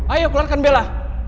ayo keluarkan bella